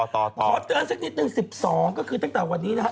ขอเตือนสักนิดนึง๑๒ก็คือตั้งแต่วันนี้นะครับ